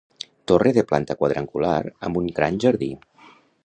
Torre de planta quadrangular amb un gran jardí.